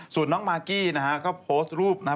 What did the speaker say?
ส่วนน้องมากกี้นะฮะก็โพสต์รูปนะฮะ